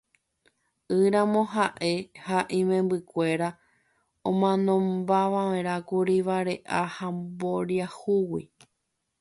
Ỹramo ha'e ha imembykuéra omanombamava'erãkuri vare'a ha mboriahúgui.